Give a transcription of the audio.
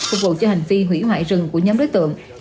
phục vụ cho hành vi hủy hoại rừng của nhóm đối tượng